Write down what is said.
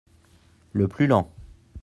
Le plus lent.